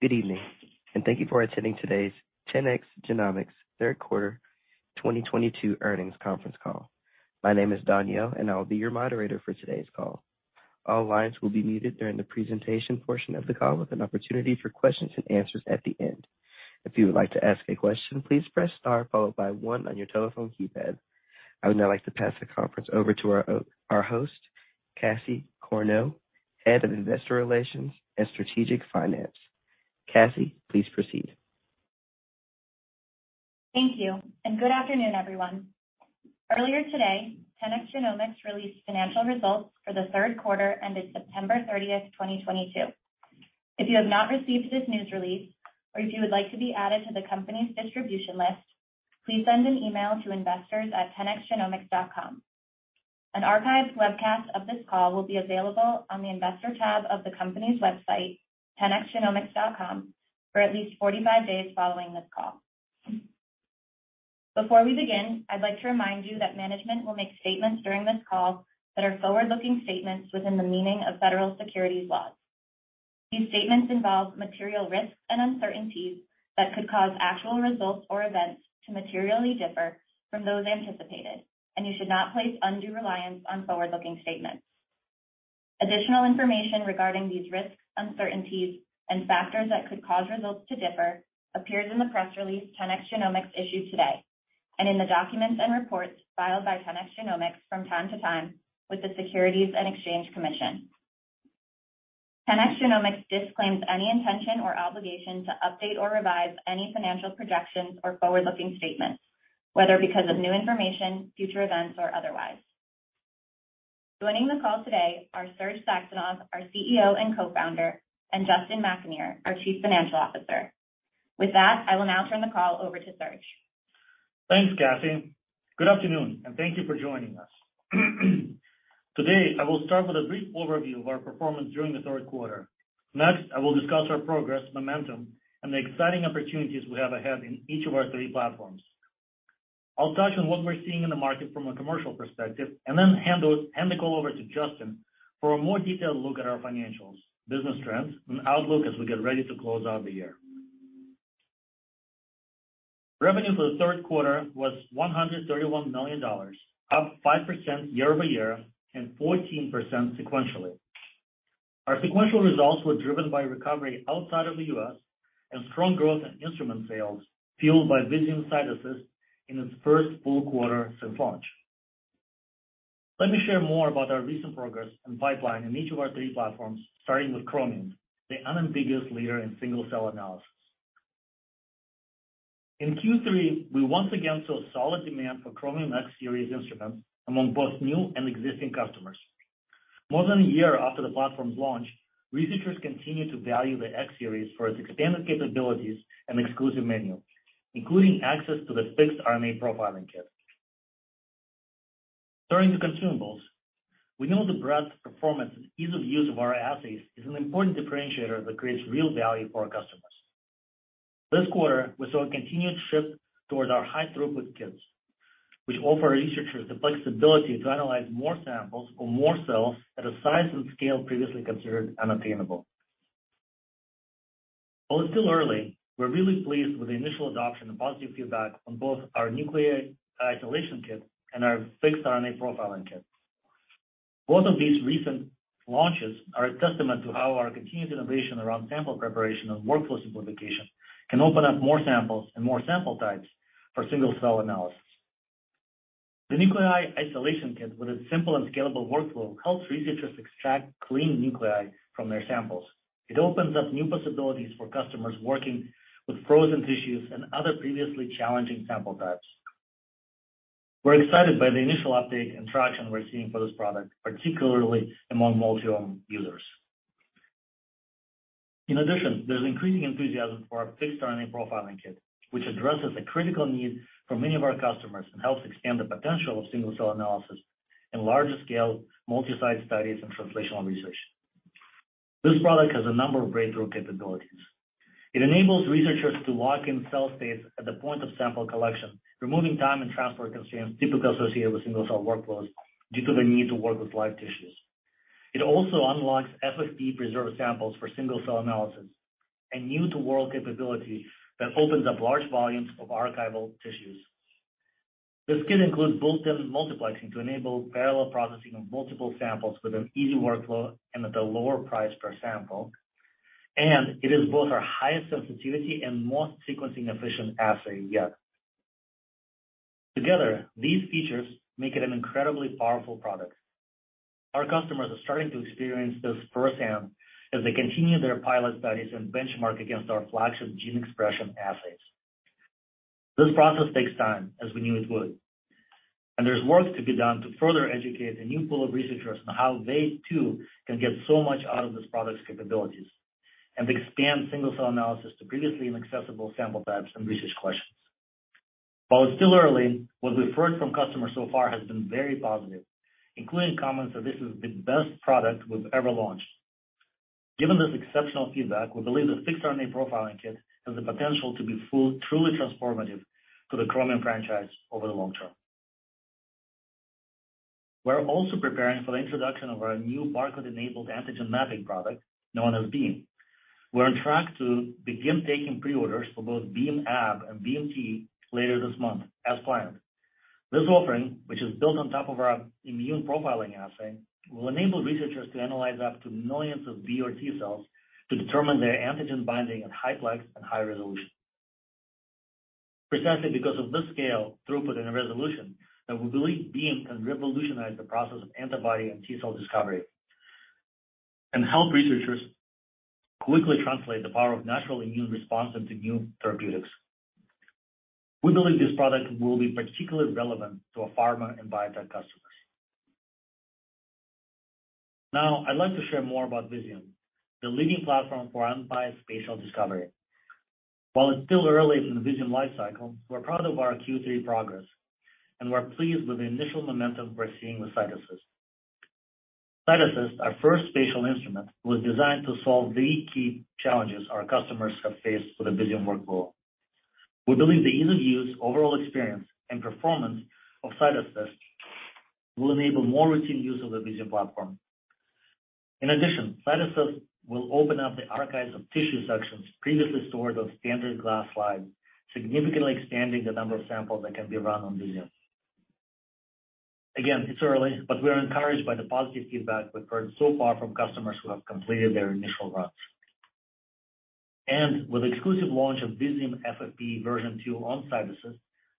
Good evening, and thank you for attending today's 10x Genomics third quarter 2022 earnings conference call. My name is Danielle, and I will be your moderator for today's call. All lines will be muted during the presentation portion of the call with an opportunity for questions and answers at the end. If you would like to ask a question, please press star followed by one on your telephone keypad. I would now like to pass the conference over to our host, Cassie Corneau, Head of Investor Relations and Strategic Finance. Cassie, please proceed. Thank you, and good afternoon, everyone. Earlier today, 10x Genomics released financial results for the third quarter ending September 30, 2022. If you have not received this news release or if you would like to be added to the company's distribution list, please send an email to investors at 10xgenomics.com. An archived webcast of this call will be available on the Investor tab of the company's website, 10xgenomics.com, for at least 45 days following this call. Before we begin, I'd like to remind you that management will make statements during this call that are forward-looking statements within the meaning of federal securities laws. These statements involve material risks and uncertainties that could cause actual results or events to materially differ from those anticipated, and you should not place undue reliance on forward-looking statements. Additional information regarding these risks, uncertainties, and factors that could cause results to differ appears in the press release 10x Genomics issued today and in the documents and reports filed by 10x Genomics from time to time with the Securities and Exchange Commission. 10x Genomics disclaims any intention or obligation to update or revise any financial projections or forward-looking statements, whether because of new information, future events, or otherwise. Joining the call today are Serge Saxonov, our CEO and Co-Founder, and Justin McAnear, our Chief Financial Officer. With that, I will now turn the call over to Serge. Thanks, Cassie. Good afternoon, and thank you for joining us. Today, I will start with a brief overview of our performance during the third quarter. Next, I will discuss our progress, momentum, and the exciting opportunities we have ahead in each of our three platforms. I'll touch on what we're seeing in the market from a commercial perspective, and then hand the call over to Justin for a more detailed look at our financials, business trends, and outlook as we get ready to close out the year. Revenue for the third quarter was $131 million, up 5% year-over-year and 14% sequentially. Our sequential results were driven by recovery outside of the U.S. and strong growth in instrument sales, fueled by Visium CytAssist in its first full quarter since launch. Let me share more about our recent progress and pipeline in each of our three platforms, starting with Chromium, the unambiguous leader in single-cell analysis. In Q3, we once again saw solid demand for Chromium X series instruments among both new and existing customers. More than a year after the platform's launch, researchers continue to value the X series for its expanded capabilities and exclusive Fixed RNA Profiling Kit. Turning to consumables, we know the breadth, performance, and ease of use of our assays is an important differentiator that creates real value for our customers. This quarter, we saw a continued shift towards our high-throughput kits, which offer our researchers the flexibility to analyze more samples or more cells at a size and scale previously considered unattainable. While it's still early, we're really pleased with the initial adoption and positive feedback on both our Nuclei Isolation Kit and our Fixed RNA Profiling Kit. Both of these recent launches are a testament to how our continued innovation around sample preparation and workflow simplification can open up more samples and more sample types for single-cell analysis. The Nuclei Isolation Kit, with its simple and scalable workflow, helps researchers extract clean nuclei from their samples. It opens up new possibilities for customers working with frozen tissues and other previously challenging sample types. We're excited by the initial uptake and traction we're seeing for this product, particularly among Multiome users. In addition, there's increasing enthusiasm for our Fixed RNA Profiling Kit, which addresses a critical need for many of our customers and helps expand the potential of single-cell analysis in larger scale, multi-site studies and translational research. This product has a number of breakthrough capabilities. It enables researchers to lock in cell states at the point of sample collection, removing time and transport constraints typically associated with single-cell workflows due to the need to work with live tissues. It also unlocks FFPE-preserved samples for single-cell analysis, a new-to-world capability that opens up large volumes of archival tissues. This kit includes built-in multiplexing to enable parallel processing of multiple samples with an easy workflow and at a lower price per sample, and it is both our highest sensitivity and most sequencing efficient assay yet. Together, these features make it an incredibly powerful product. Our customers are starting to experience this firsthand as they continue their pilot studies and benchmark against our flagship gene expression assays. This process takes time, as we knew it would, and there's work to be done to further educate a new pool of researchers on how they too can get so much out of this product's capabilities and expand single-cell analysis to previously inaccessible sample types and research questions. While it's still early, what we've heard from customers so far has been very positive, including comments that this is the best product we've ever launched. Given this Fixed RNA Profiling Kit has the potential to be fully, truly transformative to the Chromium franchise over the long term. We're also preparing for the introduction of our new barcode-enabled antigen mapping product known as BEAM. We're on track to begin taking pre-orders for both BEAM-Ab and BEAM-T later this month as planned. This offering, which is built on top of our immune profiling assay, will enable researchers to analyze up to millions of B or T cells to determine their antigen binding at high plex and high resolution. Precisely because of this scale, throughput, and resolution that we believe BEAM can revolutionize the process of antibody and T-cell discovery, and help researchers quickly translate the power of natural immune responses into new therapeutics. We believe this product will be particularly relevant to our pharma and biotech customers. Now, I'd like to share more about Visium, the leading platform for unbiased spatial discovery. While it's still early in the Visium lifecycle, we're proud of our Q3 progress, and we're pleased with the initial momentum we're seeing with CytAssist. CytAssist, our first spatial instrument, was designed to solve the key challenges our customers have faced with the Visium workflow. We believe the ease of use, overall experience, and performance of CytAssist will enable more routine use of the Visium platform. In addition, CytAssist will open up the archives of tissue sections previously stored on standard glass slides, significantly expanding the number of samples that can be run on Visium. Again, it's early, but we are encouraged by the positive feedback we've heard so far from customers who have completed their initial runs. With exclusive launch of Visium FFPE version two on CytAssist,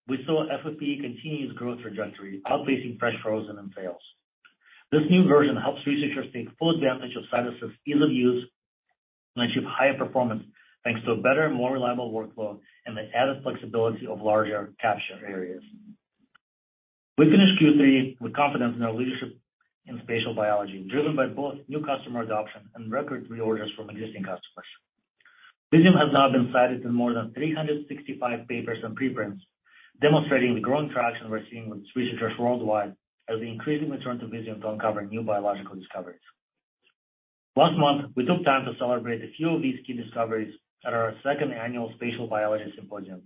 we saw FFPE continue its growth trajectory, outpacing fresh, frozen, and FFPE. This new version helps researchers take full advantage of CytAssist's ease of use and achieve higher performance thanks to a better and more reliable workflow and the added flexibility of larger capture areas. We finished Q3 with confidence in our leadership in spatial biology, driven by both new customer adoption and record reorders from existing customers. Visium has now been cited in more than 365 papers and preprints, demonstrating the growing traction we're seeing with researchers worldwide as they increasingly turn to Visium to uncover new biological discoveries. Last month, we took time to celebrate a few of these key discoveries at our second annual Spatial Biology Symposium.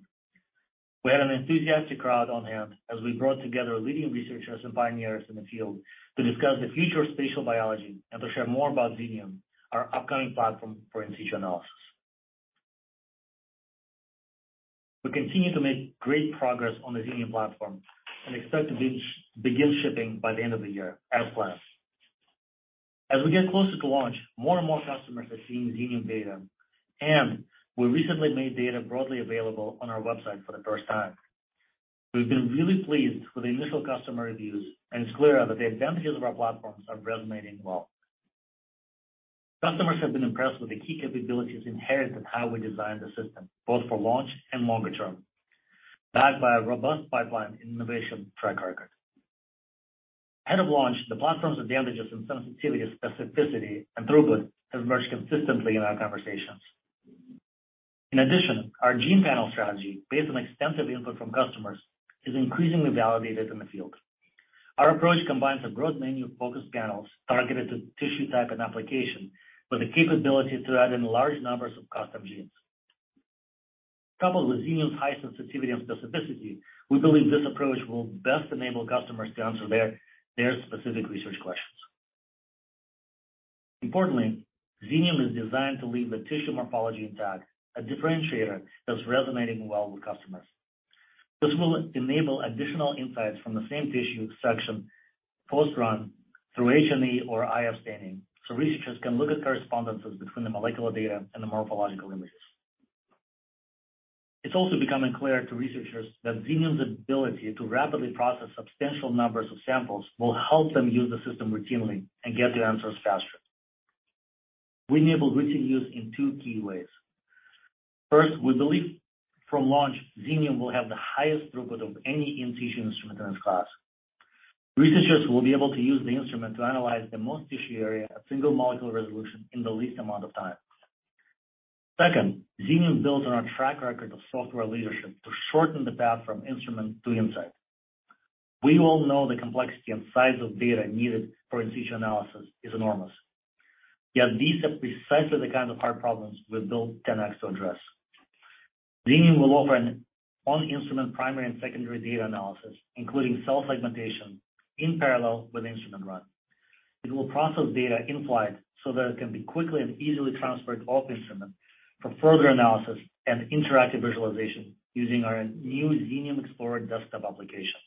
We had an enthusiastic crowd on hand as we brought together leading researchers and pioneers in the field to discuss the future of spatial biology and to share more about Xenium, our upcoming platform for in Situ analysis. We continue to make great progress on the Xenium platform and expect to be shipping by the end of the year as planned. As we get closer to launch, more and more customers are seeing Xenium data, and we recently made data broadly available on our website for the first time. We've been really pleased with the initial customer reviews, and it's clear that the advantages of our platforms are resonating well. Customers have been impressed with the key capabilities inherent in how we designed the system, both for launch and longer term, backed by a robust pipeline and innovation track record. Ahead of launch, the platform's advantages in sensitivity, specificity, and throughput have emerged consistently in our conversations. In addition, our gene panel strategy based on extensive input from customers is increasingly validated in the field. Our approach combines a broad menu of focus panels targeted to tissue type and application with the capability to add in large numbers of custom genes. Coupled with Xenium's high sensitivity and specificity, we believe this approach will best enable customers to answer their specific research questions. Importantly, Xenium is designed to leave the tissue morphology intact, a differentiator that's resonating well with customers. This will enable additional insights from the same tissue section post-run through H&E or IF staining, so researchers can look at correspondences between the molecular data and the morphological images. It's also becoming clear to researchers that Xenium's ability to rapidly process substantial numbers of samples will help them use the system routinely and get their answers faster. We enabled routine use in two key ways. First, we believe from launch, Xenium will have the highest throughput of any in Situ instrument in its class. Researchers will be able to use the instrument to analyze the most tissue area at single-molecule resolution in the least amount of time. Second, Xenium builds on our track record of software leadership to shorten the path from instrument to insight. We all know the complexity and size of data needed for in Situ analysis is enormous. Yet these are precisely the kind of hard problems we built 10x to address. Xenium will offer an on-instrument primary and secondary data analysis, including cell segmentation in parallel with instrument run. It will process data in flight so that it can be quickly and easily transferred off the instrument for further analysis and interactive visualization using our new Xenium Explorer desktop application.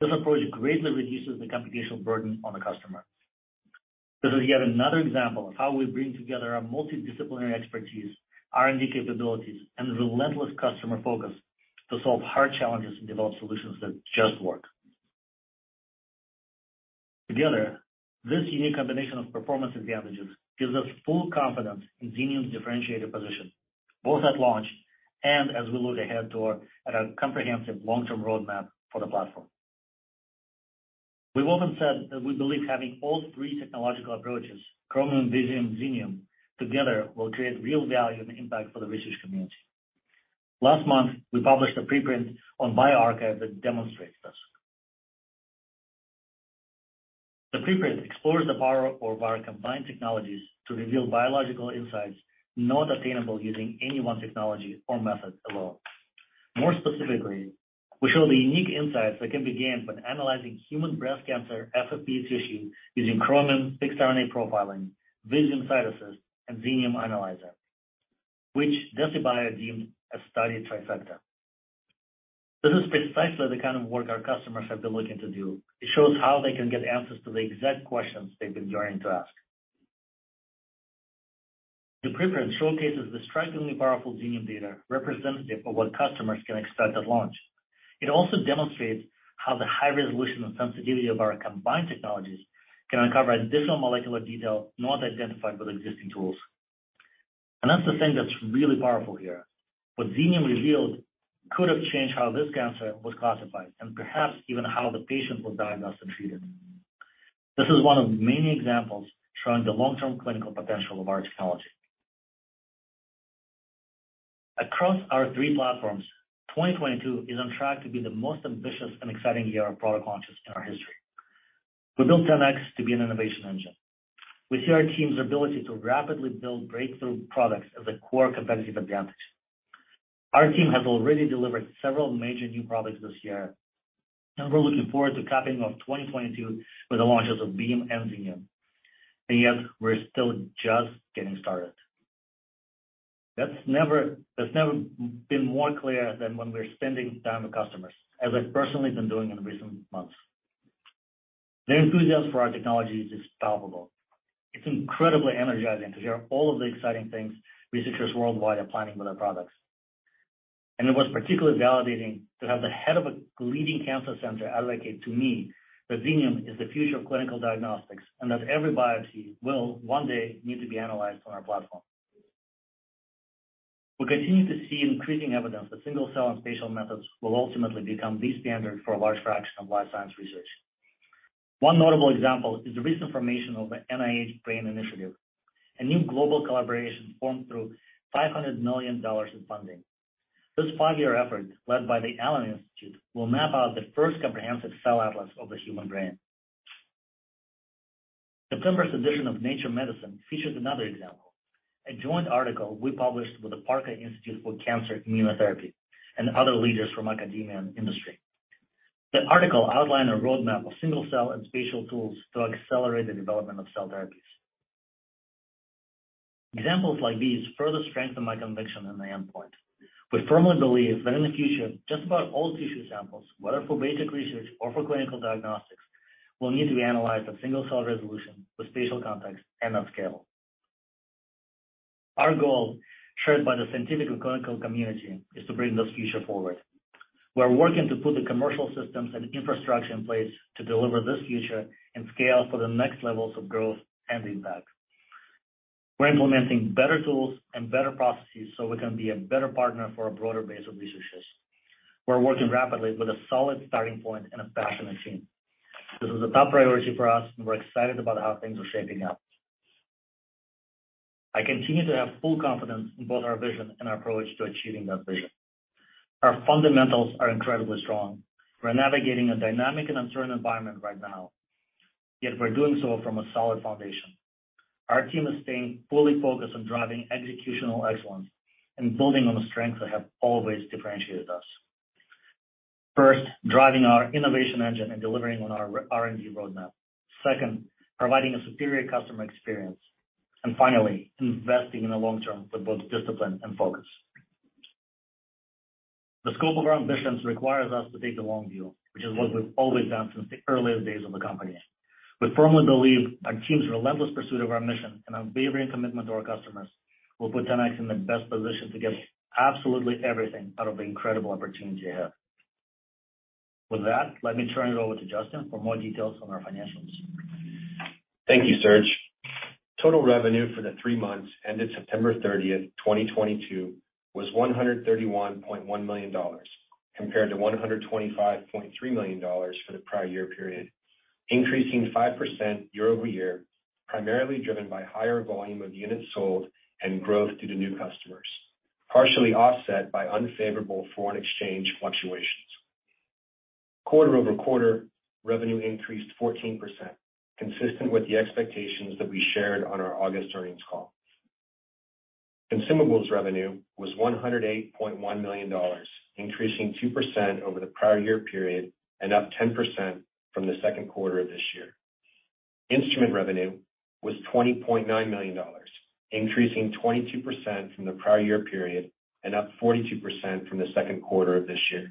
This approach greatly reduces the computational burden on the customer. This is yet another example of how we bring together our multidisciplinary expertise, R&D capabilities, and relentless customer focus to solve hard challenges and develop solutions that just work. Together, this unique combination of performance advantages gives us full confidence in Xenium's differentiated position, both at launch and as we look ahead to our comprehensive long-term roadmap for the platform. We've often said that we believe having all three technological approaches, Chromium, Visium, Xenium together will create real value and impact for the research community. Last month, we published a preprint on bioRxiv that demonstrates this. The preprint explores the value of our combined technologies to reveal biological insights not attainable using any one technology or method alone. More specifically, we show the unique insights that can be gained when analyzing human breast cancer FFPE tissue using Chromium X, Xenium Fixed RNA Profiling, Visium CytAssist, and Xenium Analyzer, which Decipher BioSciences deemed a study trifecta. This is precisely the kind of work our customers have been looking to do. It shows how they can get answers to the exact questions they've been dying to ask. The preprint showcases the strikingly powerful Xenium data representative of what customers can expect at launch. It also demonstrates how the high resolution and sensitivity of our combined technologies can uncover additional molecular detail not identified with existing tools. That's the thing that's really powerful here. What Xenium revealed could have changed how this cancer was classified, and perhaps even how the patient was diagnosed and treated. This is one of many examples showing the long-term clinical potential of our technology. Across our three platforms, 2022 is on track to be the most ambitious and exciting year of product launches in our history. We built 10x to be an innovation engine. We see our team's ability to rapidly build breakthrough products as a core competitive advantage. Our team has already delivered several major new products this year, and we're looking forward to capping off 2022 with the launches of BEAM and Xenium. Yet, we're still just getting started. That's never been more clear than when we're spending time with customers, as I've personally been doing in recent months. Their enthusiasm for our technology is unstoppable. It's incredibly energizing to hear all of the exciting things researchers worldwide are planning with our products. It was particularly validating to have the head of a leading cancer center articulate to me that Xenium is the future of clinical diagnostics, and that every biopsy will one day need to be analyzed on our platform. We continue to see increasing evidence that single-cell and spatial methods will ultimately become the standard for a large fraction of life science research. One notable example is the recent formation of the NIH BRAIN Initiative, a new global collaboration formed through $500 million in funding. This 5-year effort, led by the Allen Institute, will map out the first comprehensive cell atlas of the human brain. September's edition of Nature Medicine features another example, a joint article we published with the Parker Institute for Cancer Immunotherapy and other leaders from academia and industry. The article outlined a roadmap of single-cell and spatial tools to accelerate the development of cell therapies. Examples like these further strengthen my conviction in the endpoint. We firmly believe that in the future, just about all tissue samples, whether for basic research or for clinical diagnostics, will need to be analyzed at single-cell resolution with spatial context and at scale. Our goal, shared by the scientific and clinical community, is to bring this future forward. We're working to put the commercial systems and infrastructure in place to deliver this future and scale for the next levels of growth and impact. We're implementing better tools and better processes so we can be a better partner for a broader base of researchers. We're working rapidly with a solid starting point and a passionate team. This is a top priority for us, and we're excited about how things are shaping up. I continue to have full confidence in both our vision and our approach to achieving that vision. Our fundamentals are incredibly strong. We're navigating a dynamic and uncertain environment right now, yet we're doing so from a solid foundation. Our team is staying fully focused on driving executional excellence and building on the strengths that have always differentiated us. First, driving our innovation engine and delivering on our R&D roadmap. Second, providing a superior customer experience. Finally, investing in the long term with both discipline and focus. The scope of our ambitions requires us to take the long view, which is what we've always done since the earliest days of the company. We firmly believe our team's relentless pursuit of our mission and unwavering commitment to our customers will put 10x in the best position to get absolutely everything out of the incredible opportunity ahead. With that, let me turn it over to Justin for more details on our financials. Thank you, Serge. Total revenue for the three months ended September 30, 2022 was $131.1 million, compared to $125.3 million for the prior year period, increasing 5% year-over-year, primarily driven by higher volume of units sold and growth due to new customers, partially offset by unfavorable foreign exchange fluctuations. Quarter-over-quarter, revenue increased 14%, consistent with the expectations that we shared on our August earnings call. Consumables revenue was $108.1 million, increasing 2% over the prior year period and up 10% from the second quarter of this year. Instrument revenue was $20.9 million, increasing 22% from the prior year period and up 42% from the second quarter of this year.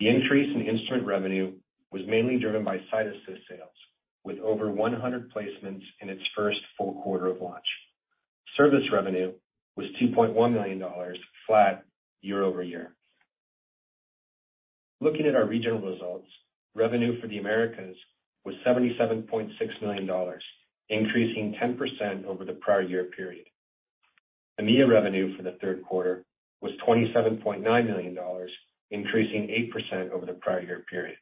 The increase in instrument revenue was mainly driven by CytAssist sales, with over 100 placements in its first full quarter of launch. Service revenue was $2.1 million, flat year-over-year. Looking at our regional results, revenue for the Americas was $77.6 million, increasing 10% over the prior year period. EMEA revenue for the third quarter was $27.9 million, increasing 8% over the prior year period.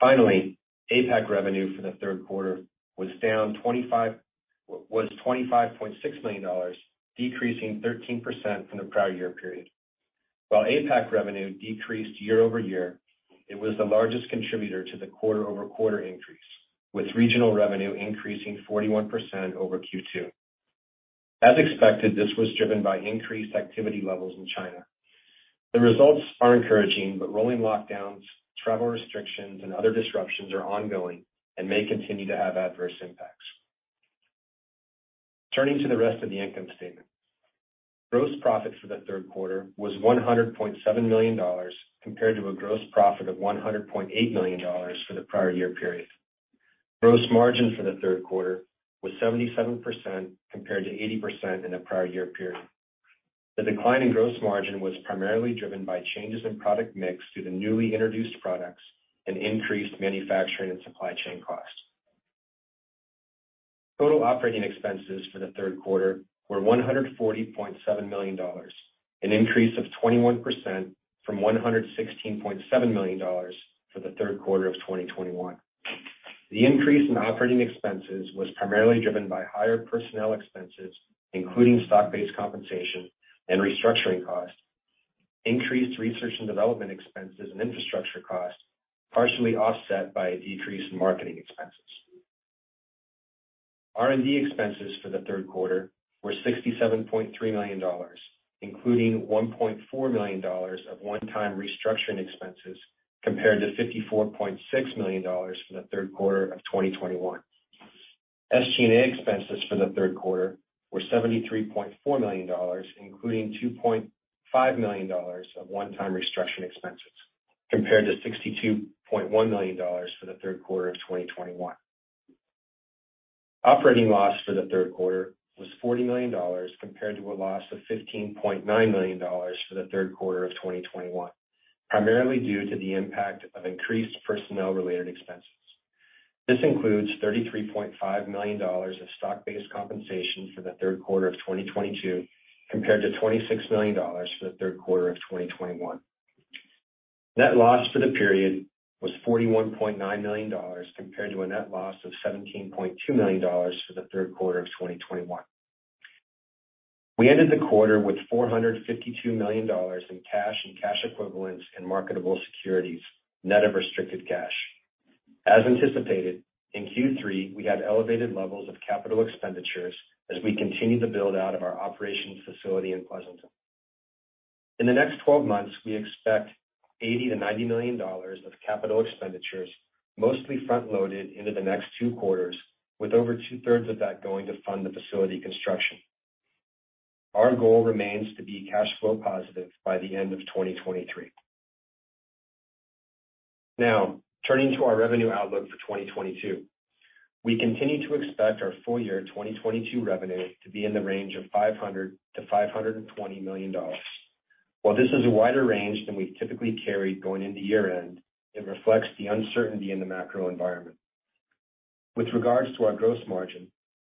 Finally, APAC revenue for the third quarter was down $25.6 million, decreasing 13% from the prior year period. While APAC revenue decreased year-over-year, it was the largest contributor to the quarter-over-quarter increase, with regional revenue increasing 41% over Q2. As expected, this was driven by increased activity levels in China. The results are encouraging, but rolling lockdowns, travel restrictions, and other disruptions are ongoing and may continue to have adverse impacts. Turning to the rest of the income statement. Gross profit for the third quarter was $100.7 million compared to a gross profit of $100.8 million for the prior year period. Gross margin for the third quarter was 77% compared to 80% in the prior year period. The decline in gross margin was primarily driven by changes in product mix due to newly introduced products and increased manufacturing and supply chain costs. Total operating expenses for the third quarter were $140.7 million, an increase of 21% from $116.7 million for the third quarter of 2021. The increase in operating expenses was primarily driven by higher personnel expenses, including stock-based compensation and restructuring costs, increased research and development expenses and infrastructure costs, partially offset by a decrease in marketing expenses. R&D expenses for the third quarter were $67.3 million, including $1.4 million of one-time restructuring expenses compared to $54.6 million for the third quarter of 2021. SG&A expenses for the third quarter were $73.4 million, including $2.5 million of one-time restructuring expenses, compared to $62.1 million for the third quarter of 2021. Operating loss for the third quarter was $40 million compared to a loss of $15.9 million for the third quarter of 2021, primarily due to the impact of increased personnel-related expenses. This includes $33.5 million of stock-based compensation for the third quarter of 2022 compared to $26 million for the third quarter of 2021. Net loss for the period was $41.9 million compared to a net loss of $17.2 million for the third quarter of 2021. We ended the quarter with $452 million in cash and cash equivalents and marketable securities, net of restricted cash. As anticipated, in Q3, we had elevated levels of capital expenditures as we continue to build out our operations facility in Pleasanton. In the next twelve months, we expect $80-$90 million of capital expenditures, mostly front-loaded into the next two quarters, with over two-thirds of that going to fund the facility construction. Our goal remains to be cash flow positive by the end of 2023. Now, turning to our revenue outlook for 2022. We continue to expect our full year 2022 revenue to be in the range of $500 million-$520 million. While this is a wider range than we've typically carried going into year-end, it reflects the uncertainty in the macro environment. With regards to our gross margin,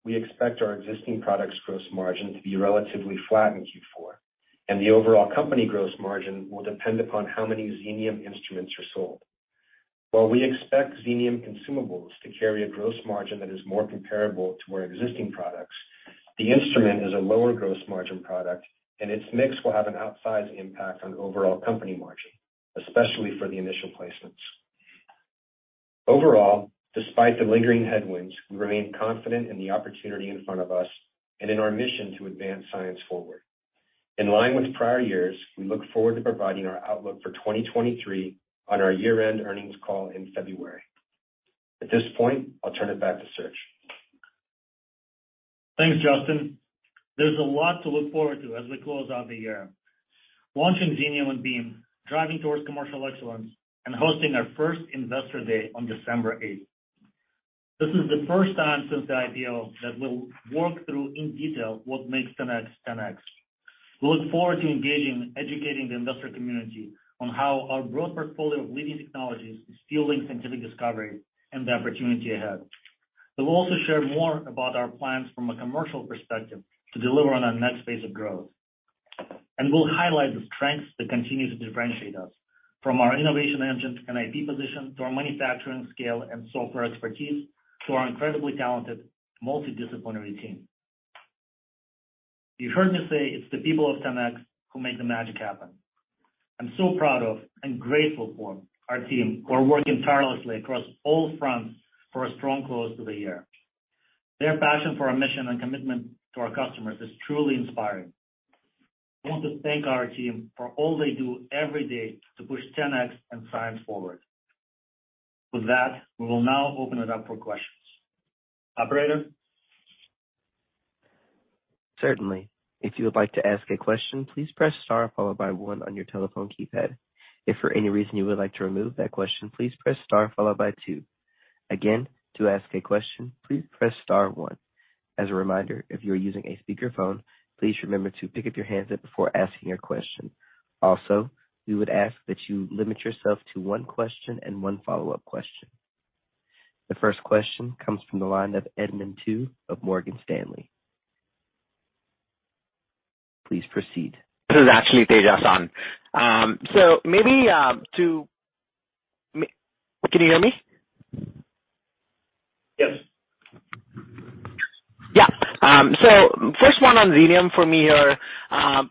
we expect our existing products gross margin to be relatively flat in Q4, and the overall company gross margin will depend upon how many Xenium instruments are sold. While we expect Xenium consumables to carry a gross margin that is more comparable to our existing products, the instrument is a lower gross margin product, and its mix will have an outsized impact on overall company margin, especially for the initial placements. Overall, despite the lingering headwinds, we remain confident in the opportunity in front of us and in our mission to advance science forward. In line with prior years, we look forward to providing our outlook for 2023 on our year-end earnings call in February. At this point, I'll turn it back to Serge. Thanks, Justin. There's a lot to look forward to as we close out the year. Launching Xenium and BEAM, driving towards commercial excellence and hosting our first Investor Day on December 8th. This is the first time since the IPO that we'll work through in detail what makes 10x. We look forward to engaging and educating the investor community on how our growth portfolio of leading technologies is fueling scientific discovery and the opportunity ahead. We'll also share more about our plans from a commercial perspective to deliver on our next phase of growth. We'll highlight the strengths that continue to differentiate us, from our innovation engine to an IP position, to our manufacturing scale and software expertise, to our incredibly talented multidisciplinary team. You heard me say it's the people of 10x who make the magic happen. I'm so proud of and grateful for our team who are working tirelessly across all fronts for a strong close to the year. Their passion for our mission and commitment to our customers is truly inspiring. I want to thank our team for all they do every day to push 10x and science forward. With that, we will now open it up for questions. Operator. Certainly. If you would like to ask a question, please press star followed by one on your telephone keypad. If for any reason you would like to remove that question, please press star followed by two. Again, to ask a question, please press star one. As a reminder, if you are using a speakerphone, please remember to pick up your handset before asking your question. Also, we would ask that you limit yourself to one question and one follow-up question. The first question comes from the line of Edmund Tu of Morgan Stanley. Please proceed. This is actually Tejas on. Can you hear me? Yeah. So first one on Xenium for me here.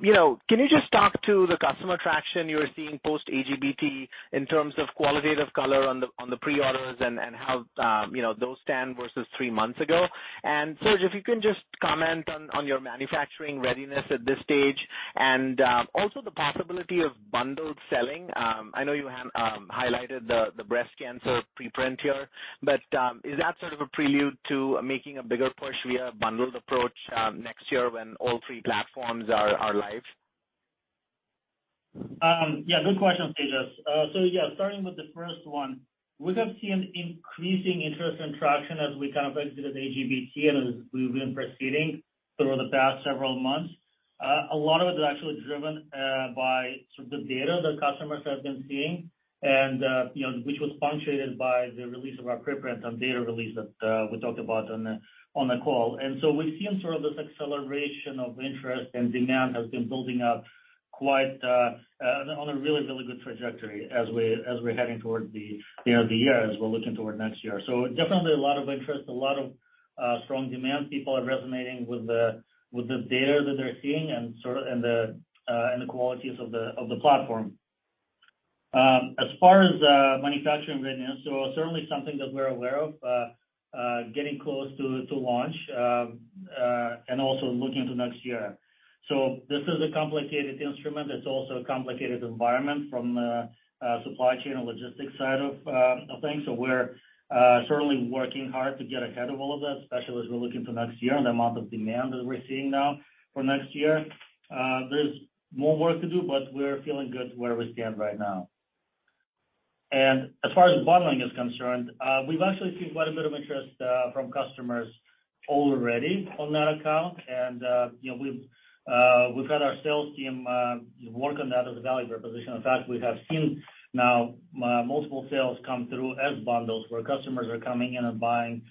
You know, can you just talk to the customer traction you're seeing post AGBT in terms of qualitative color on the pre-orders and how those stand versus three months ago? Serge, if you can just comment on your manufacturing readiness at this stage and also the possibility of bundled selling. I know you have highlighted the breast cancer preprint here, but is that sort of a prelude to making a bigger push via a bundled approach next year when all three platforms are live? Yeah, good question, Tejas. Yeah, starting with the first one, we have seen increasing interest and traction as we kind of exited AGBT and as we've been proceeding through the past several months. A lot of it is actually driven by sort of the data that customers have been seeing and, you know, which was punctuated by the release of our preprint on data release that we talked about on the call. We've seen sort of this acceleration of interest, and demand has been building up quite on a really good trajectory as we're heading towards the year as we're looking toward next year. Definitely a lot of interest, a lot of strong demand. People are resonating with the data that they're seeing and the qualities of the platform. As far as manufacturing readiness, certainly something that we're aware of, getting close to launch, and also looking to next year. This is a complicated instrument. It's also a complicated environment from a supply chain and logistics side of things. We're certainly working hard to get ahead of all of that, especially as we're looking to next year and the amount of demand that we're seeing now for next year. There's more work to do, but we're feeling good where we stand right now. As far as bundling is concerned, we've actually seen quite a bit of interest from customers already on that account. You know, we've had our sales team work on that as a value proposition. In fact, we have seen now multiple sales come through as bundles, where customers are coming in and buying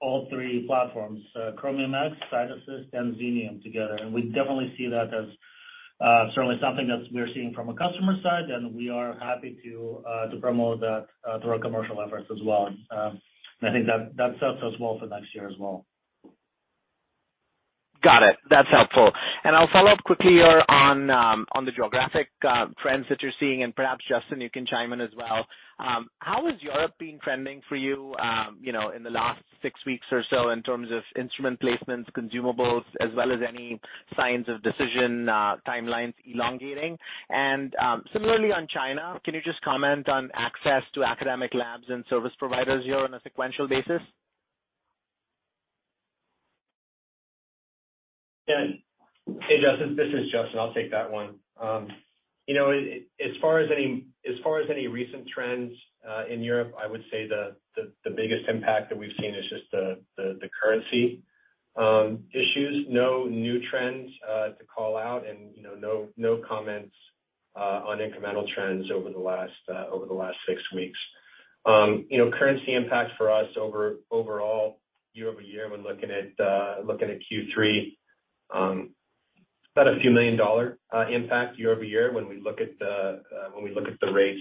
all three platforms, so Chromium X, CytAssist and Xenium together. We definitely see that as certainly something that we're seeing from a customer side, and we are happy to promote that through our commercial efforts as well. I think that sets us well for next year as well. Got it. That's helpful. I'll follow up quickly here on the geographic trends that you're seeing, and perhaps, Justin, you can chime in as well. How is Europe been trending for you know, in the last six weeks or so in terms of instrument placements, consumables, as well as any signs of decision timelines elongating? Similarly on China, can you just comment on access to academic labs and service providers here on a sequential basis? Hey, Tejas, this is Justin. I'll take that one. You know, as far as any recent trends in Europe, I would say the biggest impact that we've seen is just the currency issues. No new trends to call out and, you know, no comments on incremental trends over the last 6 weeks. You know, currency impact for us overall year-over-year when looking at Q3, about a few million-dollar impact year-over-year when we look at the rates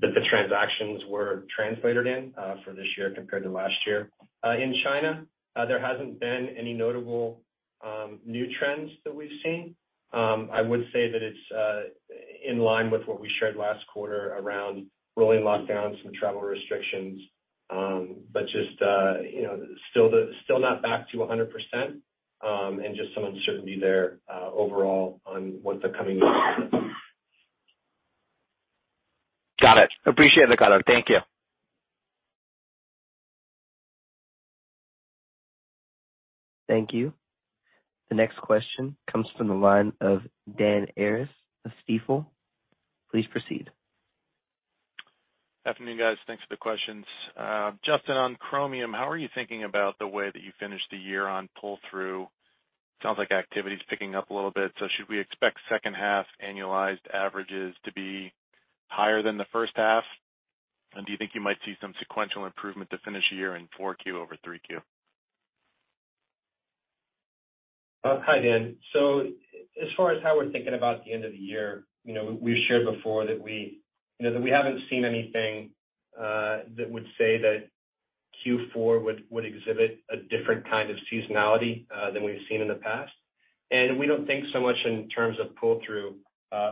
that the transactions were translated in for this year compared to last year. In China, there hasn't been any notable new trends that we've seen. I would say that it's in line with what we shared last quarter around rolling lockdowns and travel restrictions, but just, you know, still not back to 100%, and just some uncertainty there, overall on what the coming months look like. Got it. Appreciate the color. Thank you. Thank you. The next question comes from the line of Dan Arias of Stifel. Please proceed. Afternoon, guys. Thanks for the questions. Justin, on Chromium, how are you thinking about the way that you finish the year on pull-through? Sounds like activity is picking up a little bit, so should we expect second half annualized averages to be higher than the first half? Do you think you might see some sequential improvement to finish a year in Q4 over Q3? Hi, Dan. As far as how we're thinking about the end of the year, you know, we've shared before that we haven't seen anything that would say that Q4 would exhibit a different kind of seasonality than we've seen in the past. We don't think so much in terms of pull-through,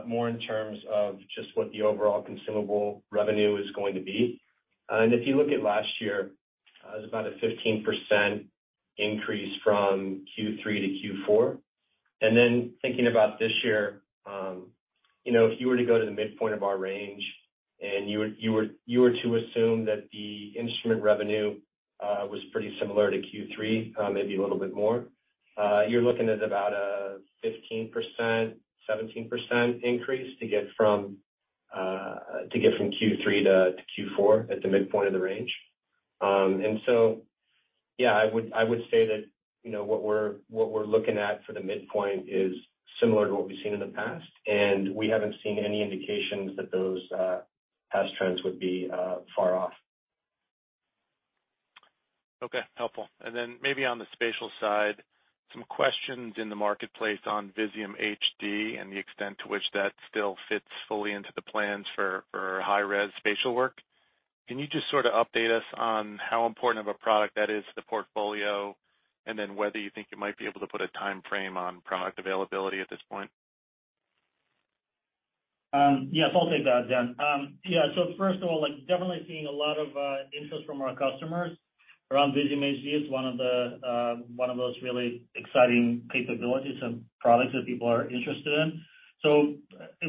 more in terms of just what the overall consumable revenue is going to be. If you look at last year, it was about a 15% increase from Q3 to Q4. Then thinking about this year, you know, if you were to go to the midpoint of our range and you were to assume that the instrument revenue was pretty similar to Q3, maybe a little bit more, you're looking at about a 15%-17% increase to get from Q3 to Q4 at the midpoint of the range. Yeah, I would say that, you know, what we're looking at for the midpoint is similar to what we've seen in the past, and we haven't seen any indications that those past trends would be far off. Okay. Helpful. Maybe on the spatial side, some questions in the marketplace on Visium HD and the extent to which that still fits fully into the plans for high-res spatial work. Can you just sort of update us on how important of a product that is to the portfolio, and then whether you think you might be able to put a time frame on product availability at this point? Yes, I'll take that, Dan. Yeah. First of all, like, definitely seeing a lot of interest from our customers around Visium HD. It's one of those really exciting capabilities and products that people are interested in.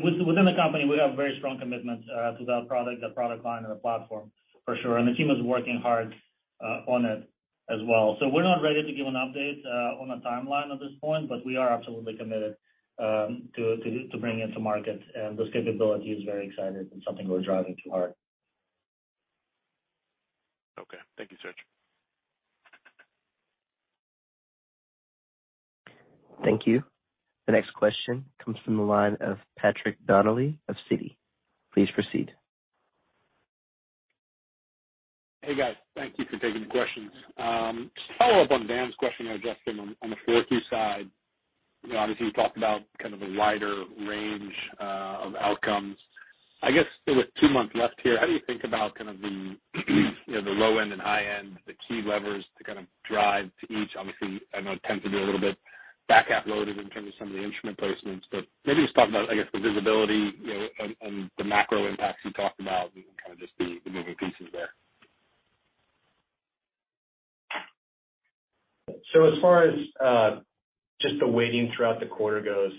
Within the company, we have very strong commitment to that product, that product line and the platform for sure, and the team is working hard on it as well. We're not ready to give an update on a timeline at this point, but we are absolutely committed to bring into market those capabilities. Very excited, and something we're driving too hard. Okay. Thank you, Serge. Thank you. The next question comes from the line of Patrick Donnelly of Citi. Please proceed. Hey, guys. Thank you for taking the questions. Just to follow up on Dan's question, Justin, on the fourth Q side, you know, obviously, you talked about kind of the wider range of outcomes. I guess with two months left here, how do you think about kind of you know the low end and high end, the key levers to kind of drive to each? Obviously, I know it tends to be a little bit back-half loaded in terms of some of the instrument placements, but maybe just talk about, I guess, the visibility, you know, and the macro impacts you talked about and kind of just the moving pieces there. As far as just the weighting throughout the quarter goes,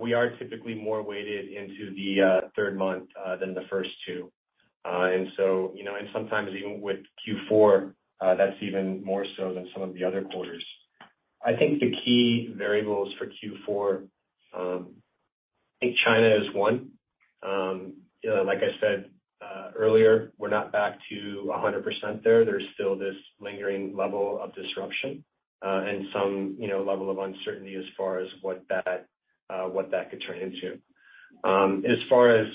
we are typically more weighted into the third month than the first two. You know, and sometimes even with Q4, that's even more so than some of the other quarters. I think the key variables for Q4, I think China is one. You know, like I said earlier, we're not back to 100% there. There's still this lingering level of disruption and some, you know, level of uncertainty as far as what that could turn into. As far as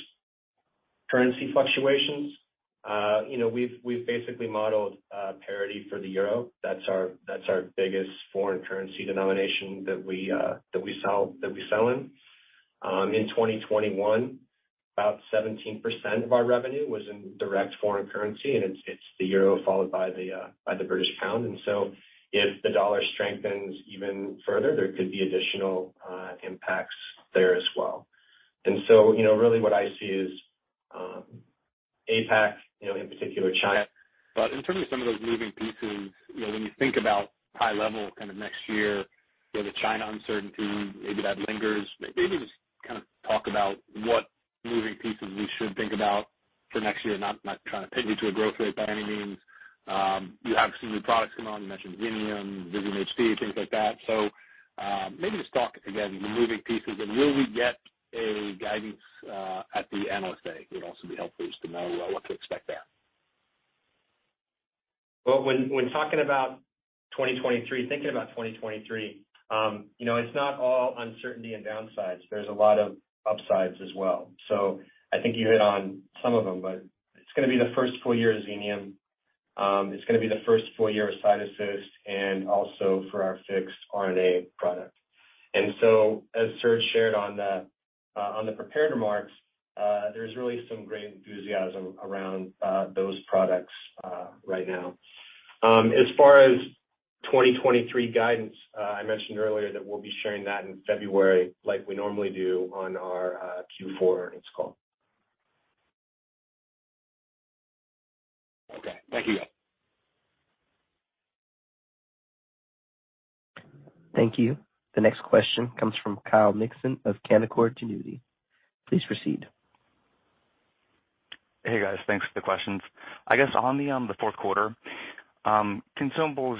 currency fluctuations, you know, we've basically modeled parity for the euro. That's our biggest foreign currency denomination that we sell in. In 2021, about 17% of our revenue was in direct foreign currency, and it's the euro followed by the British pound. If the dollar strengthens even further, there could be additional impacts there as well. You know, really what I see is APAC, you know, in particular China. In terms of some of those moving pieces, you know, when you think about high level kind of next year, you know, the China uncertainty, maybe that lingers. Maybe just kind of talk about what moving pieces we should think about for next year. Not trying to peg you to a growth rate by any means. You have some new products coming on. You mentioned Xenium, Visium HD, things like that. Maybe just talk about the moving pieces. Will we get a guidance at the Analyst Day? It would also be helpful just to know what to expect there. Well, when talking about 2023, thinking about 2023, you know, it's not all uncertainty and downsides. There's a lot of upsides as well. I think you hit on some of them, but it's gonna be the first full year of Xenium. It's gonna be the first full year of CytAssist and also for our Fixed RNA product. As Serge shared on the prepared remarks, there's really some great enthusiasm around those products right now. As far as 2023 guidance, I mentioned earlier that we'll be sharing that in February like we normally do on our Q4 earnings call. Okay. Thank you, guys. Thank you. The next question comes from Kyle Mikson of Canaccord Genuity. Please proceed. Hey, guys. Thanks for the questions. I guess on the fourth quarter consumables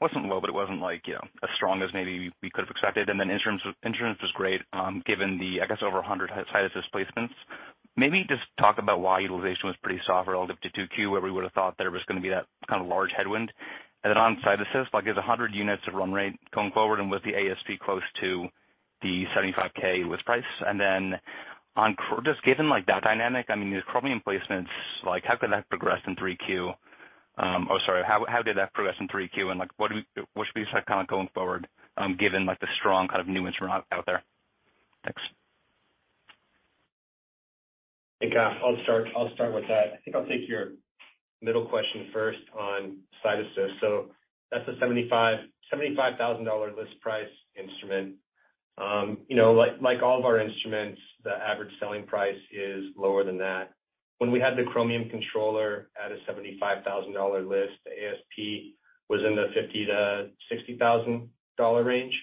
wasn't low, but it wasn't like, you know, as strong as maybe we could have expected. Instruments was great given the, I guess, over 100 CytAssist placements. Maybe just talk about why utilization was pretty soft relative to 2Q, where we would have thought there was gonna be that kind of large headwind. On CytAssist, like, is 100 units of run rate going forward and with the ASP close to the $75,000 with price? On just given like that dynamic, I mean, there's Chromium placements, like how could that progress in 3Q? Or sorry, how did that progress in 3Q? Like what should we expect kind of going forward, given like the strong kind of new instrument out there? Thanks. Hey, Kyle. I'll start with that. I think I'll take your middle question first on CytAssist. That's a $75,000 list price instrument. You know, like all of our instruments, the average selling price is lower than that. When we had the Chromium Controller at a $75,000 list, the ASP was in the $50,000-$60,000 range.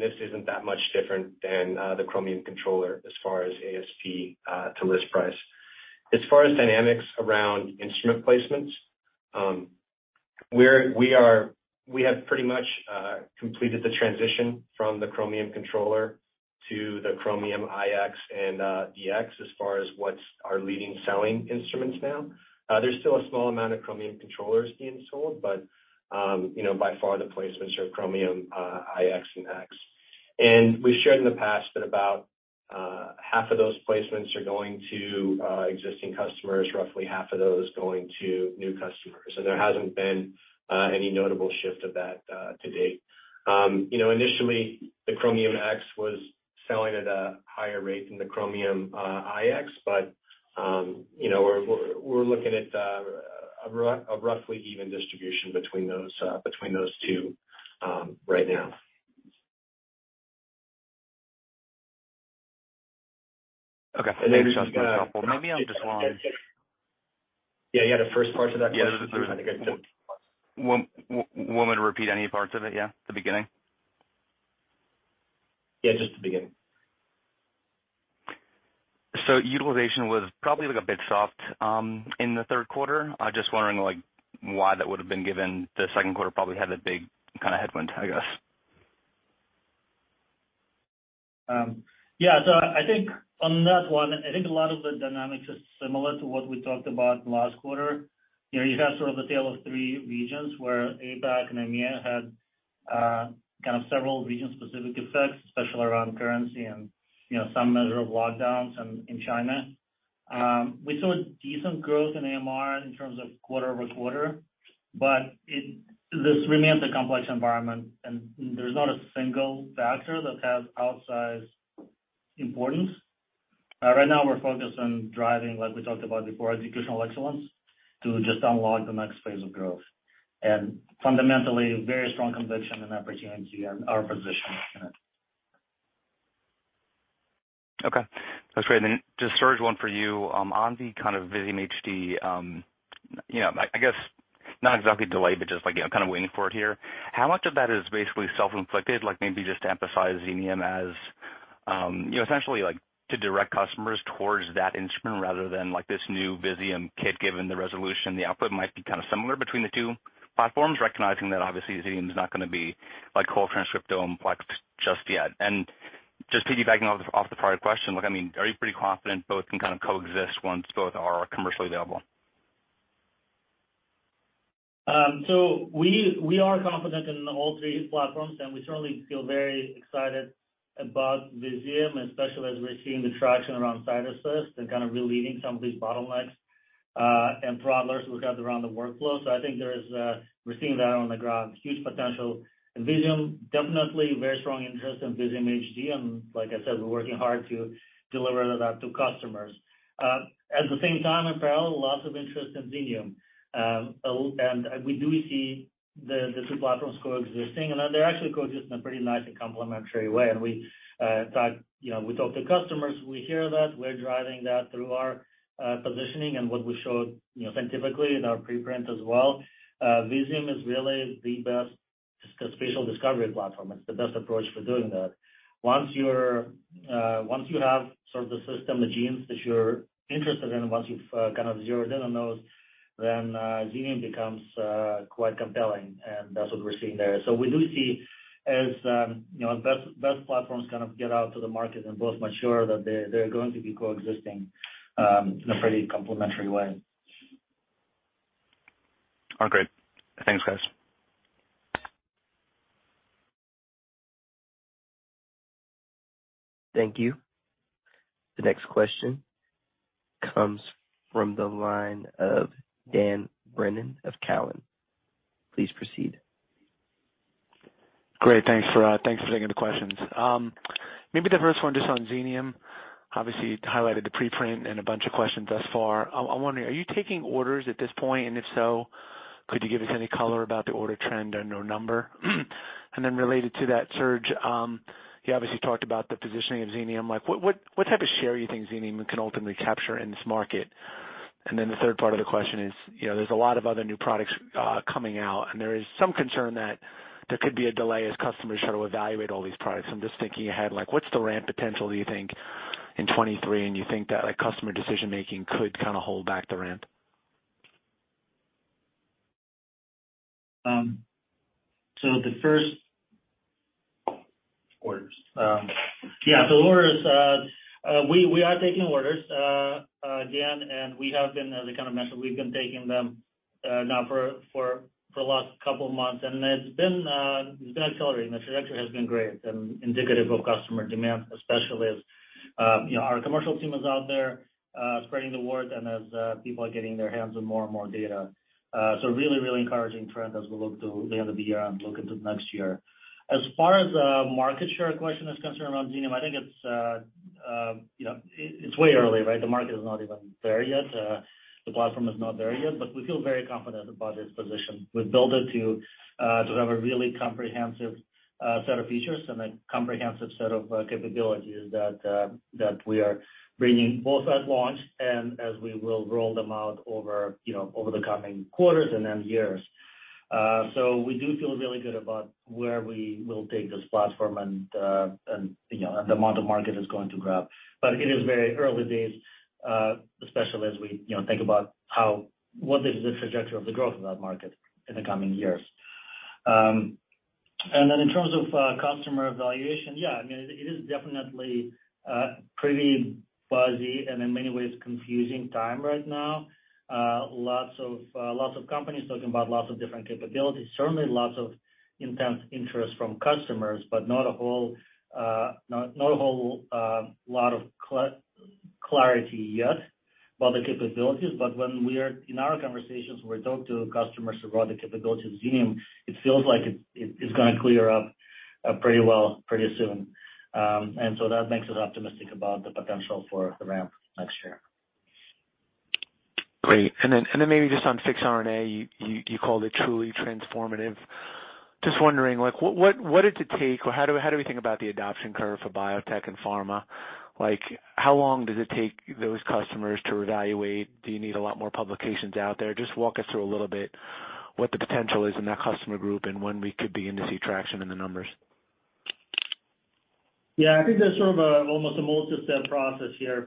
This isn't that much different than the Chromium Controller as far as ASP to list price. As far as dynamics around instrument placements, we have pretty much completed the transition from the Chromium Controller to the Chromium iX and Chromium X as far as what's our leading selling instruments now. There's still a small amount of Chromium Controllers being sold, but, you know, by far the placements are Chromium iX and X. We've shared in the past that about half of those placements are going to existing customers, roughly half of those going to new customers, and there hasn't been any notable shift of that to date. You know, initially the Chromium X was Selling at a higher rate than the Chromium iX, but you know, we're looking at a roughly even distribution between those two right now. Okay. Maybe just helpful. Maybe I'm just wrong. Yeah, yeah. The first part of that question. Yes. Want me to repeat any parts of it, yeah? The beginning? Yeah, just the beginning. Utilization was probably, like, a bit soft in the third quarter. I'm just wondering, like, why that would have been given the second quarter probably had a big kind of headwind, I guess. Yeah. So I think on that one, I think a lot of the dynamics are similar to what we talked about last quarter. You know, you have sort of the tale of three regions, where APAC and EMEA had kind of several region-specific effects, especially around currency and, you know, some measure of lockdowns in China. We saw a decent growth in Americas in terms of quarter-over-quarter, but this remains a complex environment and there's not a single factor that has outsized importance. Right now we're focused on driving, like we talked about before, executional excellence to just unlock the next phase of growth. Fundamentally, very strong conviction and opportunity and our position in it. Okay, that's great. Just Serge, one for you. On the kind of Visium HD, you know, I guess not exactly delayed, but just like, you know, kind of waiting for it here. How much of that is basically self-inflicted, like maybe just to emphasize Xenium as, you know, essentially like to direct customers towards that instrument rather than like this new Visium kit, given the resolution, the output might be kind of similar between the two platforms, recognizing that obviously Xenium is not gonna be like whole transcriptome plex just yet. Just piggybacking off the prior question, like, I mean, are you pretty confident both can kind of coexist once both are commercially available? We are confident in all three platforms, and we certainly feel very excited about Visium, especially as we're seeing the traction around CytAssist and kind of relieving some of these bottlenecks and throttlers we've had around the workflow. I think there is, we're seeing that on the ground, huge potential. Visium, definitely very strong interest in Visium HD, and like I said, we're working hard to deliver that out to customers. At the same time, in parallel, lots of interest in Xenium. We do see the two platforms coexisting, and they're actually coexisting in a pretty nice and complementary way. In fact, you know, we talk to customers, we hear that, we're driving that through our positioning and what we showed, you know, scientifically in our preprint as well. Visium is really the best spatial discovery platform. It's the best approach for doing that. Once you have sort of the system, the genes that you're interested in, once you've kind of zeroed in on those, then Xenium becomes quite compelling, and that's what we're seeing there. We do see as you know, as both platforms kind of get out to the market and both mature that they're going to be coexisting in a pretty complementary way. Oh, great. Thanks, guys. Thank you. The next question comes from the line of Dan Brennan of Cowen. Please proceed. Great. Thanks for taking the questions. Maybe the first one just on Xenium, obviously you highlighted the preprint in a bunch of questions thus far. I'm wondering, are you taking orders at this point? And if so, could you give us any color about the order trend or known number? And then related to that, Serge, you obviously talked about the positioning of Xenium. Like, what type of share you think Xenium can ultimately capture in this market? And then the third part of the question is, you know, there's a lot of other new products coming out, and there is some concern that there could be a delay as customers try to evaluate all these products. I'm just thinking ahead, like, what's the ramp potential do you think in 2023? You think that, like, customer decision-making could kind of hold back the ramp? Orders. Yeah, so orders. We are taking orders, Dan, and we have been, as I kind of mentioned, we've been taking them now for the last couple of months, and it's been accelerating. The trajectory has been great and indicative of customer demand, especially as you know, our commercial team is out there spreading the word and as people are getting their hands on more and more data. So really encouraging trend as we look to the end of the year and look into next year. As far as market share question is concerned around Xenium, I think it's you know, it's way early, right? The market is not even there yet. The platform is not there yet, but we feel very confident about its position. We've built it to have a really comprehensive set of features and a comprehensive set of capabilities that we are bringing both at launch and as we will roll them out over, you know, over the coming quarters and then years. We do feel really good about where we will take this platform and, you know, the amount of market it's going to grab. It is very early days, especially as we, you know, think about what is the trajectory of the growth of that market in the coming years. In terms of customer evaluation, yeah, I mean, it is definitely pretty fuzzy and in many ways confusing time right now. Lots of companies talking about lots of different capabilities. Certainly lots of intense interest from customers, but not a whole lot of clarity yet about the capabilities, but when in our conversations, we talk to customers about the capabilities of Visium, it feels like it is gonna clear up pretty well pretty soon. That makes us optimistic about the potential for the ramp next year. Great. Then maybe just on Fixed RNA, you called it truly transformative. Just wondering, like, what did it take or how do we think about the adoption curve for biotech and pharma? Like, how long does it take those customers to evaluate? Do you need a lot more publications out there? Just walk us through a little bit what the potential is in that customer group and when we could begin to see traction in the numbers. Yeah, I think there's sort of a, almost a multi-step process here.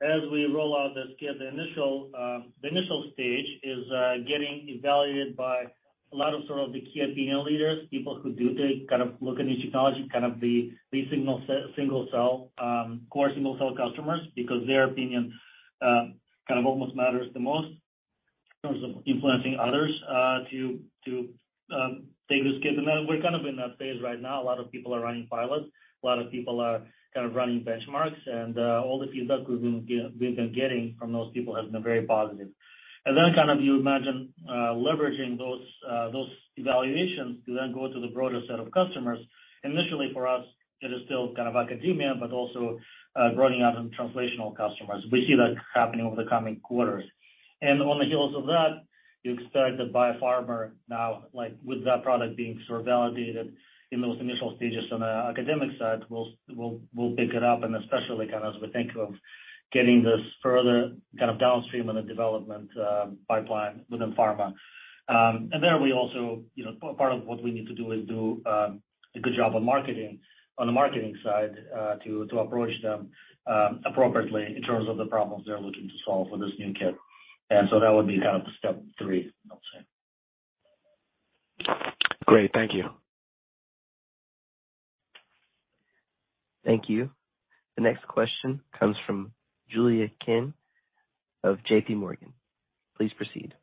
First, as we roll out this kit, the initial stage is getting evaluated by a lot of sort of the key opinion leaders, people who do kind of look at new technology, kind of the single-cell core single-cell customers because their opinion kind of almost matters the most in terms of influencing others to take this kit. Then we're kind of in that phase right now. A lot of people are running pilots, a lot of people are kind of running benchmarks, and all the feedback we've been getting from those people has been very positive. Then kind of you imagine leveraging those evaluations to then go to the broader set of customers. Initially, for us, it is still kind of academia, but also broadening out in translational customers. We see that happening over the coming quarters. On the heels of that, you expect that biopharma now, like, with that product being sort of validated in those initial stages on the academic side, will pick it up, and especially kind of as we think of getting this further kind of downstream in the development pipeline within pharma. And there we also, you know, part of what we need to do is do a good job on marketing, on the marketing side, to approach them appropriately in terms of the problems they're looking to solve with this new kit. That would be kind of the step three, I would say. Great. Thank you. Thank you. The next question comes from Julia Qin of J.P. Morgan. Please proceed.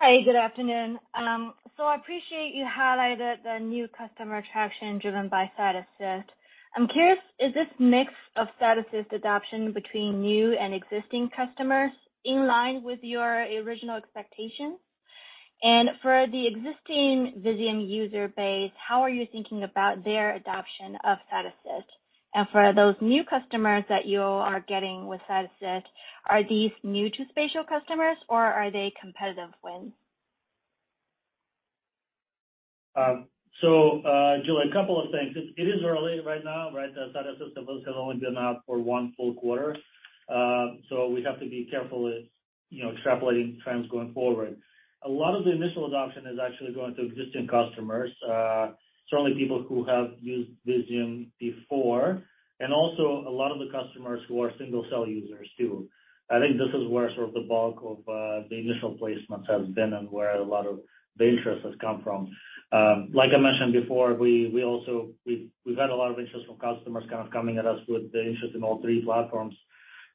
Hi, good afternoon. I appreciate you highlighted the new customer traction driven by CytAssist. I'm curious, is this mix of CytAssist adoption between new and existing customers in line with your original expectations? For the existing Visium user base, how are you thinking about their adoption of CytAssist? For those new customers that you are getting with CytAssist, are these new to Spatial customers or are they competitive wins? Julia, a couple of things. It is early right now, right? The CytAssist device has only been out for one full quarter. We have to be careful with, you know, extrapolating trends going forward. A lot of the initial adoption is actually going to existing customers, certainly people who have used Visium before, and also a lot of the customers who are single-cell users too. I think this is where sort of the bulk of the initial placements has been and where a lot of the interest has come from. Like I mentioned before, we've also had a lot of interest from customers kind of coming at us with the interest in all three platforms,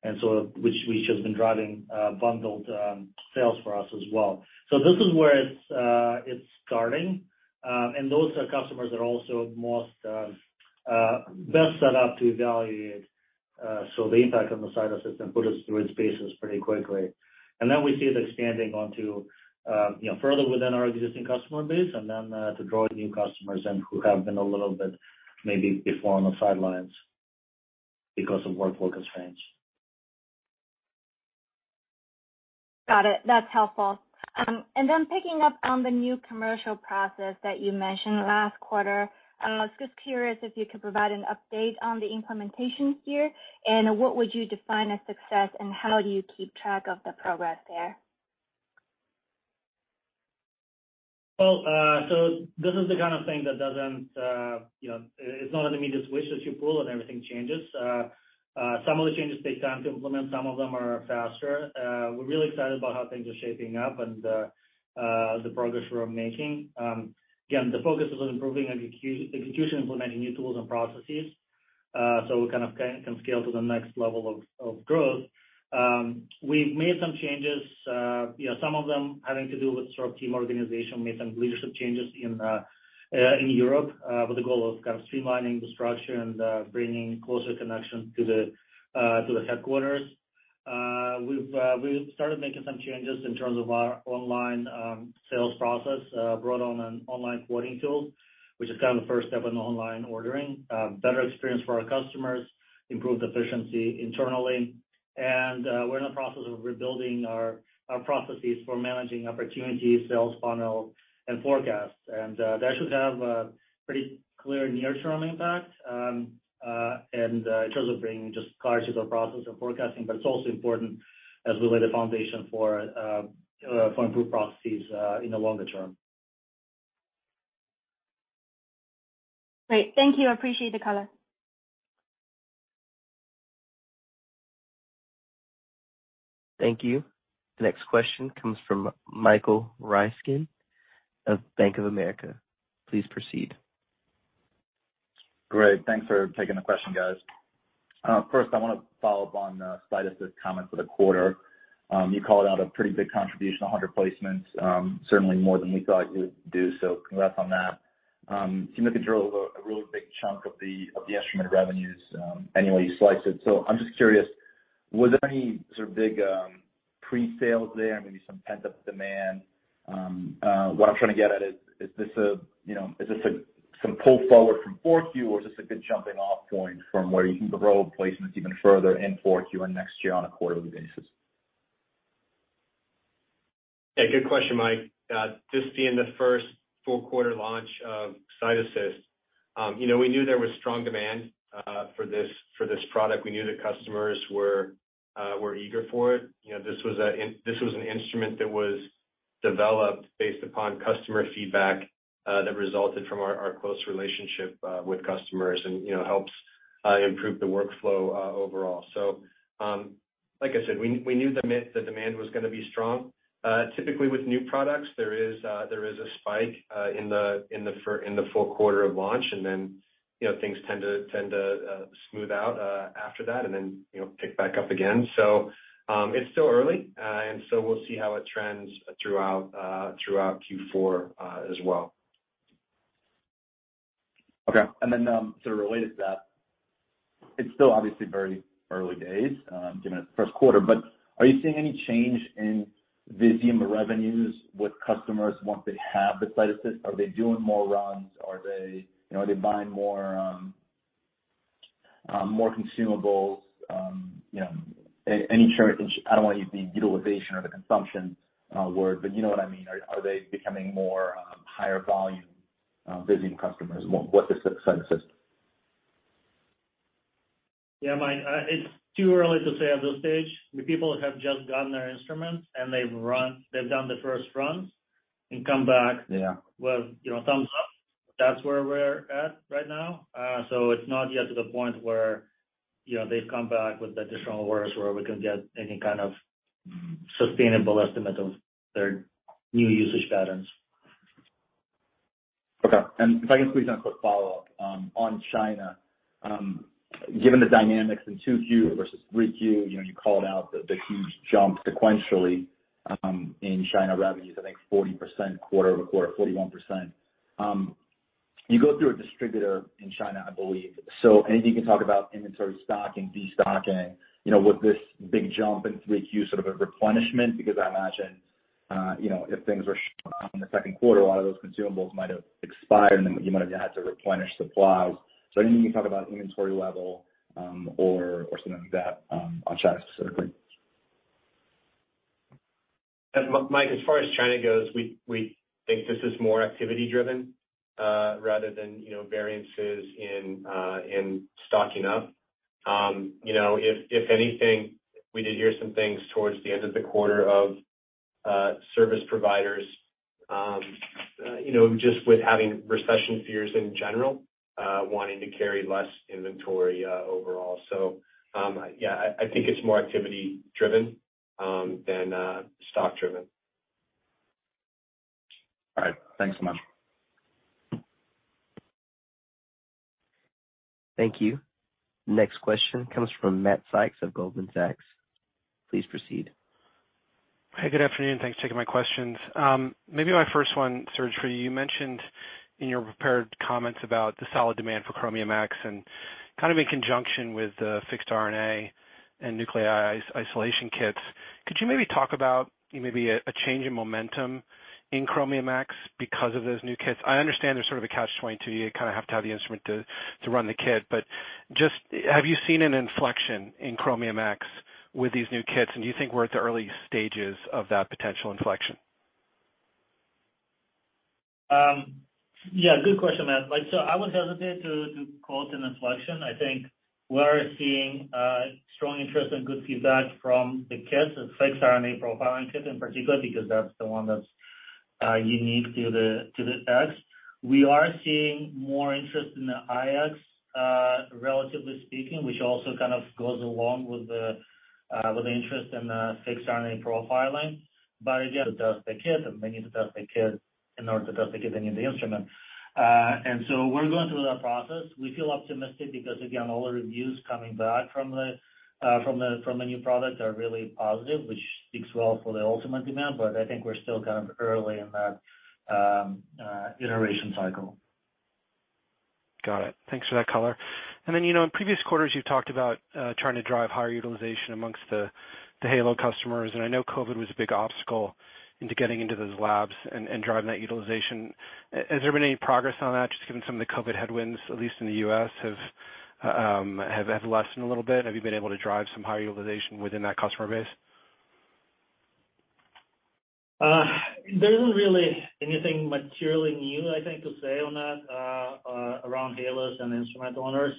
which has been driving bundled sales for us as well. This is where it's starting, and those are customers that are also best set up to evaluate the impact on the CytAssist and put us through its paces pretty quickly. Then we see it expanding onto you know, further within our existing customer base and then to draw new customers in who have been a little bit maybe before on the sidelines because of workflow constraints. Got it. That's helpful. Picking up on the new commercial process that you mentioned last quarter, I was just curious if you could provide an update on the implementation here, and what would you define as success, and how do you keep track of the progress there? This is the kind of thing that doesn't, you know, it's not an immediate switch that you pull and everything changes. Some of the changes take time to implement, some of them are faster. We're really excited about how things are shaping up and the progress we're making. Again, the focus is on improving execution, implementing new tools and processes, so we kind of can scale to the next level of growth. We've made some changes, you know, some of them having to do with sort of team organization, made some leadership changes in Europe, with the goal of kind of streamlining the structure and bringing closer connections to the headquarters. We've started making some changes in terms of our online sales process, brought on an online quoting tool, which is kind of the first step in online ordering, better experience for our customers, improved efficiency internally. We're in the process of rebuilding our processes for managing opportunities, sales funnel and forecasts. That should have a pretty clear near-term impact in terms of bringing just clarity to our process and forecasting, but it's also important as we lay the foundation for improved processes in the longer term. Great. Thank you. I appreciate the color. Thank you. The next question comes from Michael Ryskin of Bank of America. Please proceed. Great. Thanks for taking the question, guys. First I wanna follow up on CytAssist comments for the quarter. You called out a pretty big contribution, 100 placements, certainly more than we thought you would do, so congrats on that. Seemed like it drove a really big chunk of the instrument revenues, any way you slice it. So I'm just curious, was there any sort of big pre-sales there, maybe some pent-up demand? What I'm trying to get at is this a, you know, some pull forward from 4Q, or is this a good jumping off point from where you can grow placements even further in 4Q and next year on a quarterly basis? Yeah, good question, Michael. This being the first full quarter launch of CytAssist, you know, we knew there was strong demand for this product. We knew that customers were eager for it. You know, this was an instrument that was developed based upon customer feedback that resulted from our close relationship with customers and, you know, helps improve the workflow overall. Like I said, we knew the demand was gonna be strong. Typically with new products, there is a spike in the full quarter of launch, and then, you know, things tend to smooth out after that and then, you know, pick back up again. It's still early. We'll see how it trends throughout Q4, as well. Okay. Sort of related to that, it's still obviously very early days, given it's first quarter, but are you seeing any change in Visium revenues with customers once they have the CytAssist? Are they doing more runs? Are they, you know, buying more consumables? You know, I don't wanna use the utilization or the consumption word, but you know what I mean. Are they becoming more higher volume Visium customers with the CytAssist? Yeah, Michael, it's too early to say at this stage. The people have just gotten their instruments, and they've done the first runs and come back. Yeah. with, you know, thumbs up. That's where we're at right now. It's not yet to the point where, you know, they've come back with additional orders where we can get any kind of sustainable estimate of their new usage patterns. Okay. If I can squeeze in a quick follow-up on China. Given the dynamics in 2Q versus 3Q, you know, you called out the huge jump sequentially in China revenues, I think 40% quarter over quarter, 41%. You go through a distributor in China, I believe. Anything you can talk about inventory stocking, destocking, you know, with this big jump in 3Q, sort of a replenishment, because I imagine, you know, if things were shut down in the second quarter, a lot of those consumables might have expired, and then you might have had to replenish supplies. Anything you can talk about inventory level or something like that on China specifically. Mike, as far as China goes, we think this is more activity-driven rather than, you know, variances in stocking up. You know, if anything, we did hear some things towards the end of the quarter of service providers, you know, just with having recession fears in general wanting to carry less inventory overall. Yeah, I think it's more activity-driven than stock-driven. All right. Thanks so much. Thank you. Next question comes from Matthew Sykes of Goldman Sachs. Please proceed. Hey, good afternoon. Thanks for taking my questions. Maybe my first one, Serge, you mentioned in your prepared comments about the solid demand for Chromium X and kind of in conjunction with the Fixed RNA and Nuclei Isolation Kits. Could you maybe talk about maybe a change in momentum in Chromium X because of those new kits? I understand there's sort of a catch-22, you kind of have to have the instrument to run the kit. Just have you seen an inflection in Chromium X with these new kits, and do you think we're at the early stages of that potential inflection? Yeah, good question, Matt. Like, so I would hesitate to quote an inflection. I think we're seeing strong interest and good Fixed RNA Profiling Kit in particular, because that's the one that's unique to the X. We are seeing more interest in the iX, relatively speaking, which also kind of goes along with the interest in the Fixed RNA Profiling. But again, it does the kit, and they need to test the kit in order to test the kit, they need the instrument. We're going through that process. We feel optimistic because, again, all the reviews coming back from the new product are really positive, which speaks well for the ultimate demand, but I think we're still kind of early in that iteration cycle. Got it. Thanks for that color. You know, in previous quarters, you talked about trying to drive higher utilization among the low-utilization customers, and I know COVID was a big obstacle into getting into those labs and driving that utilization. Has there been any progress on that, just given some of the COVID headwinds, at least in the U.S., have lessened a little bit? Have you been able to drive some higher utilization within that customer base? There isn't really anything materially new, I think, to say on that, around HALOs and instrument owners.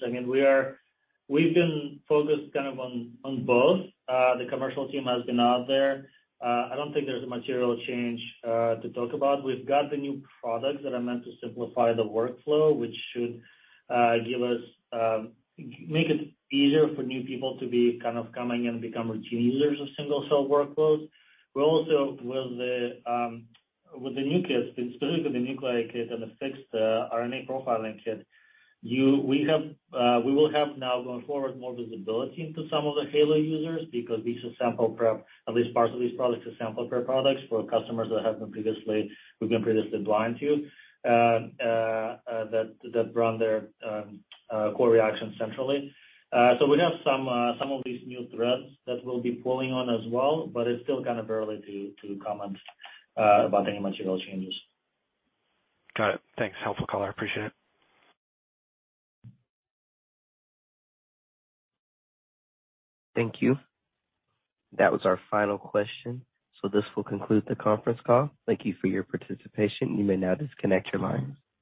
We've been focused kind of on both. The commercial team has been out there. I don't think there's a material change to talk about. We've got the new products that are meant to simplify the workflow, which should make it easier for new people to be kind of coming and become routine users of single-cell workflows. We're also with the new kits, Fixed RNA Profiling Kit, we will have now going forward more visibility into some of the low-utilization users because these are sample prep, at least parts of these products are sample prep products for customers we've been previously blind to that run their core reactions centrally. So we have some of these new threads that we'll be pulling on as well, but it's still kind of early to comment about any material changes. Got it. Thanks. Helpful color. I appreciate it. Thank you. That was our final question, so this will conclude the conference call. Thank you for your participation. You may now disconnect your lines.